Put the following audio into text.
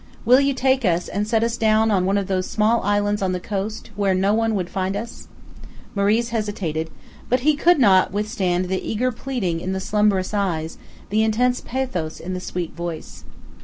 Will you take us, and set us down on one of those small islands on the coast, where no one would find us?" Moriz hesitated; but he could not withstand the eager pleading in the slumbrous eyes, the intense pathos in the sweet voice.